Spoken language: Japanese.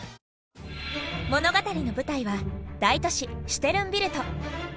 物語の舞台は大都市シュテルンビルト。